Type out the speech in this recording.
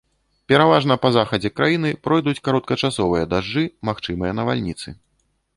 Пераважна па захадзе краіны пройдуць кароткачасовыя дажджы, магчымыя навальніцы.